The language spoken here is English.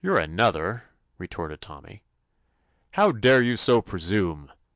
"You're another I" retorted Tom my. "How dare you so presume *?"